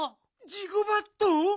ジゴバット？